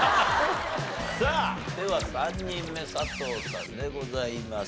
さあでは３人目佐藤さんでございます。